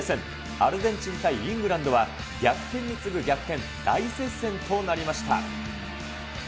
アルゼンチン対イングランドは、逆転に次ぐ逆転、大接戦となりました。